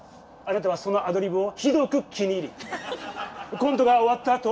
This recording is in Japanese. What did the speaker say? あなたはそのアドリブをひどく気に入りコントが終わった